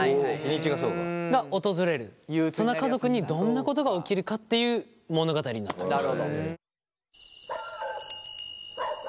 その家族にどんなことが起きるかっていう物語になっております。